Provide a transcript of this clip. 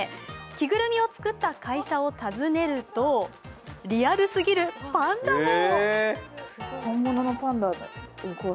着ぐるみを作った会社を訪ねるとリアルすぎるパンダも。